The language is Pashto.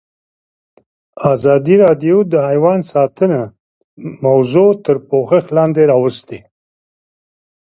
ازادي راډیو د حیوان ساتنه موضوع تر پوښښ لاندې راوستې.